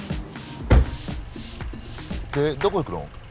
でどこ行くの？